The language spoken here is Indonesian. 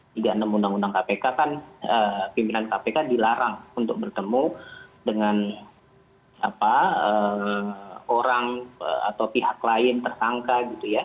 tiga puluh enam undang undang kpk kan pimpinan kpk dilarang untuk bertemu dengan orang atau pihak lain tersangka gitu ya